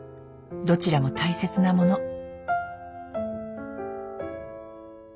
どちらも大切なもの。